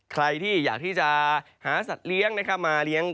ใครที่อยากที่จะหาสัตว์เลี้ยงนะครับมาเลี้ยง